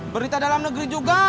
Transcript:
berita dalam negeri juga